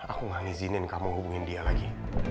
aku gak izinin kamu hubungin dia lagi